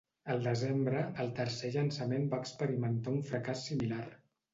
Al desembre, el tercer llançament va experimentar un fracàs similar.